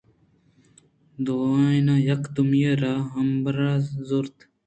دوئیناں یکے دومی ءَ را امبازاں زُرت